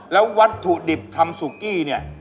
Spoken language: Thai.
แล้ววัตถุดิบทำสุกี้เนี่ย